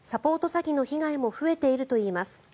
詐欺の被害も増えているといいます。